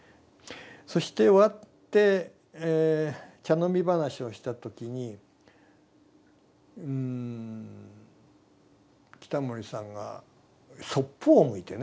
そして終わって茶飲み話をした時に北森さんがそっぽを向いてね私の方を見ないんですよ。